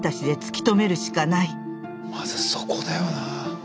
まずそこだよな。